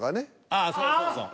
ああそうそうそう。